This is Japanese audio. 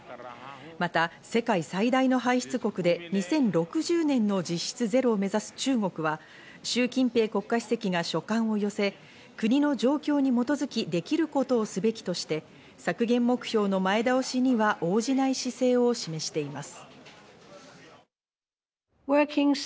また、世界最大の排出国で２０６０年の実質ゼロを目指す中国はシュウ・キンペイ国家主席が書簡を寄せ、国の状況に基づき、できることをすべきとして、削減目標の前倒しには応じない姿勢を示しています。